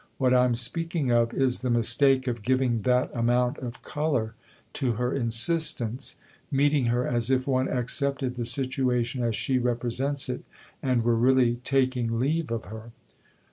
" What I'm speaking of is the mistake of giving that amount of colour THE OTHER HOUSE 51 to her insistence meeting her as if one accepted the situation as she represents it and were really taking leave of her.